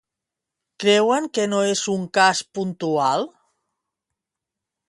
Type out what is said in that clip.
Creuen que no és un cas puntual?